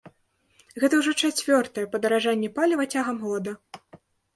Гэта ўжо чацвёртае падаражанне паліва цягам года.